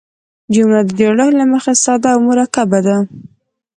جمله د جوړښت له مخه ساده او مرکبه ده.